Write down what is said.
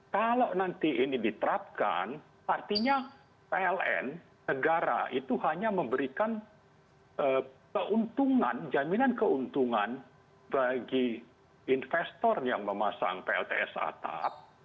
kalau nanti ini diterapkan artinya pln negara itu hanya memberikan keuntungan jaminan keuntungan bagi investor yang memasang plts atap